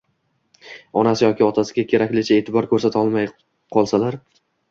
onasi yoki otasiga keraklicha e’tibor ko‘rsata olmay qolsalar